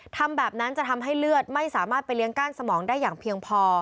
ทำแบบนั้นจะทำให้เลือดไม่สามารถไปเลี้ยงก้านสมองได้อย่างเพียงพอ